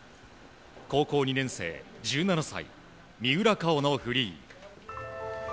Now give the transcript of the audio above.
高校２年生、１７歳三浦佳生のフリー。